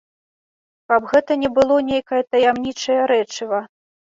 Каб гэта не было нейкае таямнічае рэчыва.